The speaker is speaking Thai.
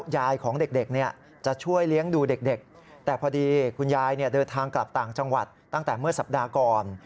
เดินทางกลับต่างจังหวัดตั้งแต่เมื่อสัปดาห์ก่อน